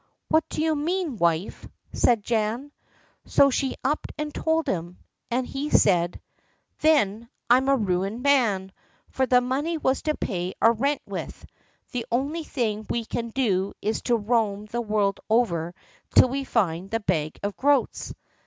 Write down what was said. "What do you mean, wife?" said Jan. So she up and told him, and he said: "Then I'm a ruined man, for that money was to pay our rent with. The only thing we can do is to roam the world over till we find the bag of groats."